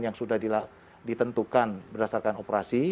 yang sudah ditentukan berdasarkan operasi